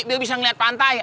biar bisa ngeliat pantai